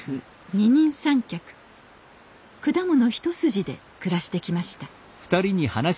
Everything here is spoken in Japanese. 二人三脚果物一筋で暮らしてきました。